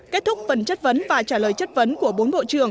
kết thúc phần chất vấn và trả lời chất vấn của bốn bộ trưởng